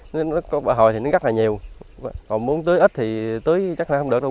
nó có bờ hồi thì nó rất là nhiều còn muốn tưới ít thì tưới chắc là không được đâu